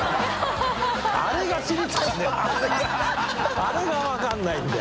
あれが分からないんだよ。